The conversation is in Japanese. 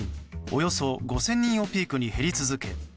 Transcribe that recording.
およそ５０００人をピークに減り続け